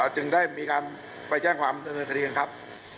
จึงได้มีการไปแจ้งความดำเนินคดีกันครับ